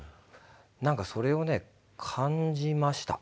何かそれをね感じました